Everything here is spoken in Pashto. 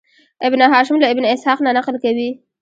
ابن هشام له ابن اسحاق نه نقل کوي.